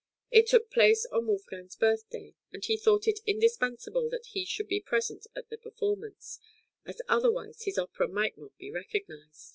It took place on Wolfgang's birthday, and he thought it indispensable that he should be present at the performance, as otherwise his opera might not be recognised.